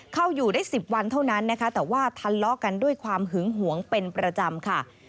เข้าอยู่ได้๑๐วันเท่านั้นนะคะแต่ว่าทะเลาะกันด้วยความหึงหวงเป็นประจำค่ะ